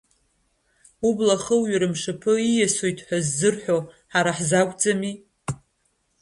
Убла хуҩар мшаԥы ииасуеит ҳәа ззырҳәаз ҳара ҳзы акәӡами.